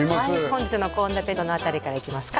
本日の献立どの辺りからいきますか？